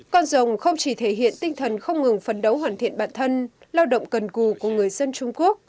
con rồng không chỉ thể hiện tinh thần không ngừng phấn đấu hoàn thiện bản thân lao động cần cù của người dân trung quốc